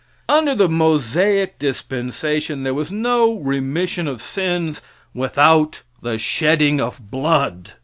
Under the Mosaic dispensation there was no remission of sins without the shedding of blood.